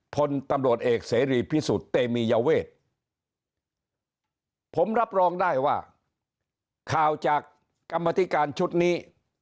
พลตำรวจเอกเสรีพิสุทธิ์เตมียเวทผมรับรองได้ว่าข่าวจากกรรมธิการชุดนี้